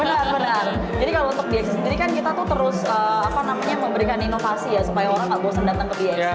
benar benar jadi kalau untuk diex sendiri kan kita tuh terus memberikan inovasi ya supaya orang gak bosan datang ke diax